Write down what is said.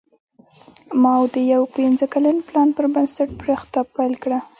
ماوو د یو پنځه کلن پلان پر بنسټ پراختیا پیل کړه.